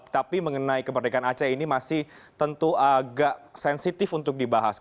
tapi mengenai kemerdekaan aceh ini masih tentu agak sensitif untuk dibahas